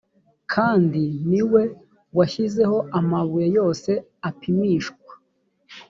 kandi ni we washyizeho amabuye yose apimishwa